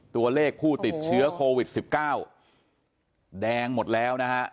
ตัวเลขผู้ติดเชื้อโควิด๑๙แดงหมดแล้วนะฮะ